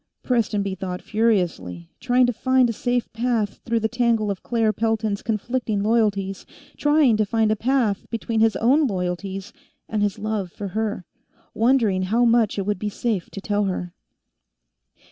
Prestonby thought furiously, trying to find a safe path through the tangle of Claire Pelton's conflicting loyalties, trying to find a path between his own loyalties and his love for her, wondering how much it would be safe to tell her.